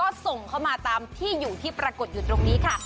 ก็ส่งเข้ามาตามที่อยู่ที่ปรากฏอยู่ตรงนี้ค่ะ